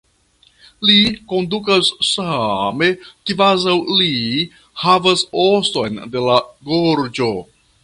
Li kondutas same kvazaŭ li havas oston en la gorĝo.